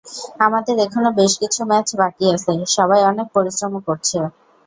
আমাদের এখনো বেশ কিছু ম্যাচ বাকি আছে, সবাই অনেক পরিশ্রমও করছে।